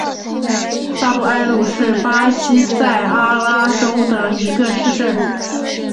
萨布埃鲁是巴西塞阿拉州的一个市镇。